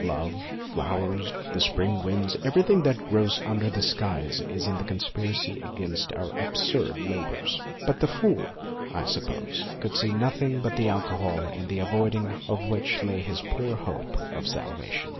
Love, flowers, the spring winds everything that glows under the skies is in the conspiracy against our ON FACTS 47 absurd labours ; but the fool, I suppose, could see nothing but the alcohol in the avoiding of which lay his poor hope of sal vation.